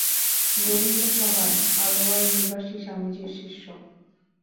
গোবিন্দ সহায় আলোয়ার-নিবাসী স্বামীজীর শিষ্য।